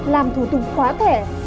làm thủ tục khóa thẻ